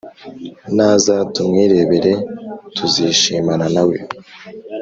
Naza tumwirebera tuzishimana nawe